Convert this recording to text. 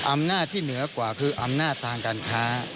อำนาจที่เหนือกว่าคืออำนาจทางการค้า